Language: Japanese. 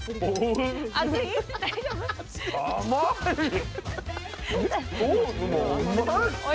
甘い。